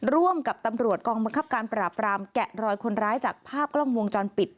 ร่วมกับตำรวจกองบังคับการปราบรามแกะรอยคนร้ายจากภาพกล้องวงจรปิด